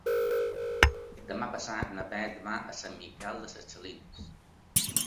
Demà passat na Beth va a Sant Miquel de les Salines.